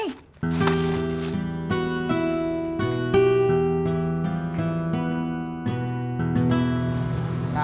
biar bang ojak kembali